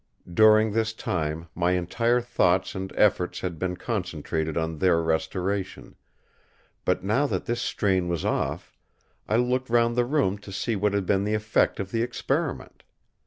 During this time my entire thoughts and efforts had been concentrated on their restoration; but now that this strain was off, I looked round the room to see what had been the effect of the experiment.